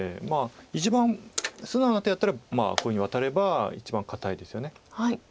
一番素直な手だったらこういうふうにワタれば一番堅いですよね。